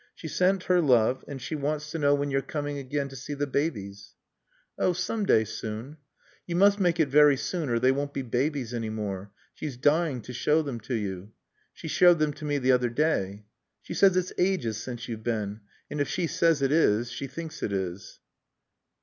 She sent her love and she wants to know when you're coming again to see the babies." "Oh some day soon." "You must make it very soon or they won't be babies any more. She's dying to show them to you." "She showed them to me the other day." "She says it's ages since you've been. And if she says it is she thinks it is."